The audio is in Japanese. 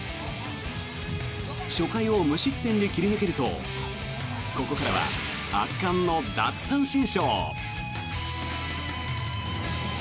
初回を無失点で切り抜けるとここからは圧巻の奪三振ショー。